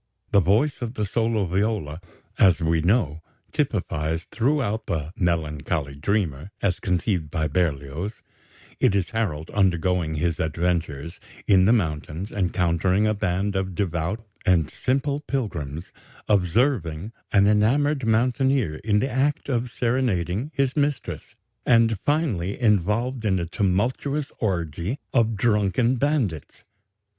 The voice of the solo viola, as we know, typifies throughout the "melancholy dreamer" as conceived by Berlioz it is Harold undergoing his adventures: in the mountains; encountering a band of devout and simple pilgrims; observing an enamoured mountaineer in the act of serenading his mistress; and, finally, involved in a tumultuous orgy of drunken bandits.